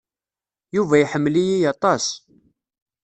Yuba iḥemmel-iyi aṭas.